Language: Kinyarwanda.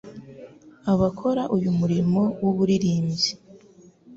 abakora uyu murimo w'uburirimbyi.